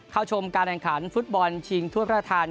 เข้าชมการแข่งขันฟุตบอลชิงถ้วยประธาน